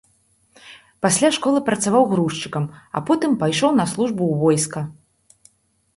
Пасля школы працаваў грузчыкам, а потым пайшоў на службу ў войска.